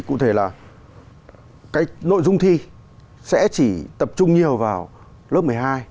cụ thể là cái nội dung thi sẽ chỉ tập trung nhiều vào lớp một mươi hai